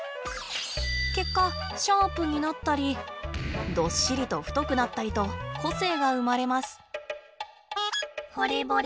結果シャープになったりどっしりと太くなったりと個性が生まれます。